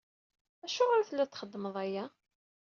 Acuɣer ay telliḍ txeddmeḍ aya?